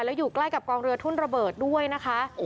แล้วอยู่ใกล้กับกองเรือทุ่นระเบิดด้วยนะคะ